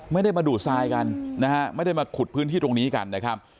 ไม่ได้มาดูดทรายกันนะฮะไม่ได้มาขุดพื้นที่ตรงนี้กันนะครับ